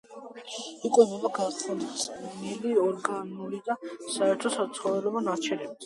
იკვებება გახრწნილი ორგანული და საერთო საცხოვრებელი ნარჩენებით.